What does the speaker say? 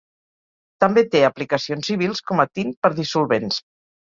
També té aplicacions civils com a tint per dissolvents.